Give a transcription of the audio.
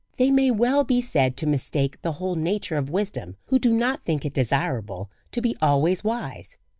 They may well be said to mistake the whole nature of wisdom who do not think it desirable to be always wise.